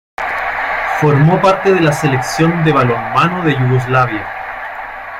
Formó parte de la Selección de balonmano de Yugoslavia.